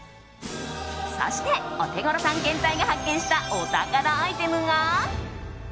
そして、オテゴロ探検隊が発見したお宝アイテムが。